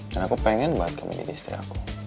dan aku pengen banget kamu jadi istri aku